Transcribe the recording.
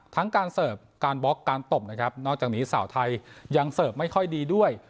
ทั้งการเสิร์ฟการบล็อกการตบนะครับนอกจากนี้สาวไทยยังเสิร์ฟไม่ค่อยดีด้วย